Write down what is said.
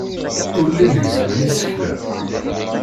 Ur llin gezzmen isekla.